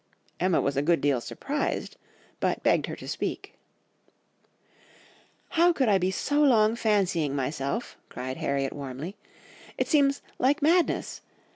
"Emma was a good deal surprised, but begged her to speak.... "'How could I be so long fancying myself—,' cried Harriet warmly. 'It seems like madness!